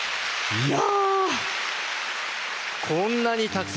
いや。